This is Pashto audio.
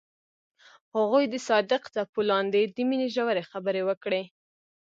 هغوی د صادق څپو لاندې د مینې ژورې خبرې وکړې.